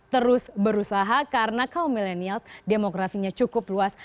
terus berusaha karena kaum milenials demografinya cukup luas